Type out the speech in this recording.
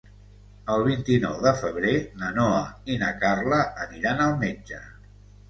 El vint-i-nou de febrer na Noa i na Carla aniran al metge.